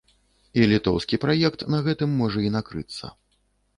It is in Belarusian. І літоўскі праект на гэтым можа і накрыцца.